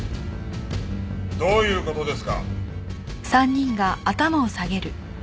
どういう事ですか？